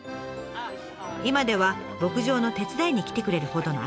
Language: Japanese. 今では牧場の手伝いに来てくれるほどの間柄に。